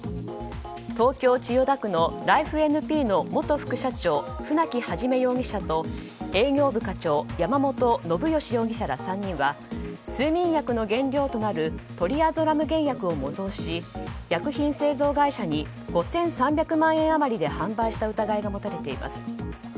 東京・千代田区のライフ・エヌ・ピーの元副社長・船木肇容疑者と営業部課長山本将義容疑者ら３人は睡眠薬の原料となるトリアゾラム原薬を模造し、薬品製造会社に５３００万円余りで販売した疑いが持たれています。